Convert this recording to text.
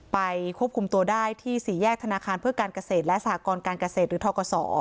ควบคุมตัวได้ที่สี่แยกธนาคารเพื่อการเกษตรและสหกรการเกษตรหรือทกศ